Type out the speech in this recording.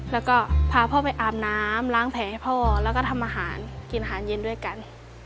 แล้วก็พาพ่อไปอาบน้ำล้างแผลให้พ่อแล้วก็ทำอาหารกินอาหารเย็นด้วยกัน